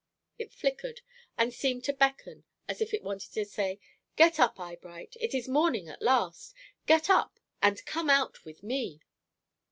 It flickered, and seemed to beckon, as if it wanted to say, "Get up, Eyebright, it is morning at last; get up, and come out with me."